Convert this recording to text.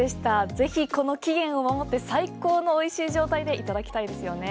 ぜひこの期限を守って最高のおいしい状態でいただきたいですよね。